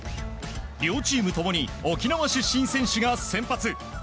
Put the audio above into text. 両チーム共に沖縄出身選手が先発。